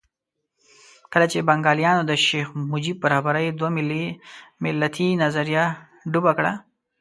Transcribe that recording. کله چې بنګالیانو د شیخ مجیب په رهبرۍ دوه ملتي نظریه ډوبه کړه.